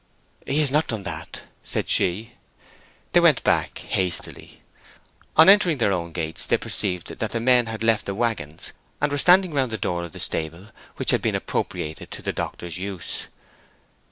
"He has not done that," said she. They went back hastily. On entering their own gates they perceived that the men had left the wagons, and were standing round the door of the stable which had been appropriated to the doctor's use.